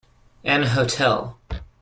An hotel.